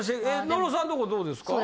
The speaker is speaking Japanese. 野呂さんとこどうですか？